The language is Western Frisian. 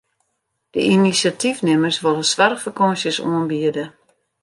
De inisjatyfnimmers wolle soarchfakânsjes oanbiede.